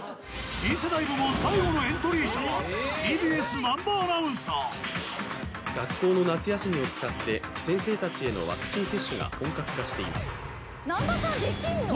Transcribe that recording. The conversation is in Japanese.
新世代部門最後のエントリー者は学校の夏休みを使って先生たちへのワクチン接種が本格化しています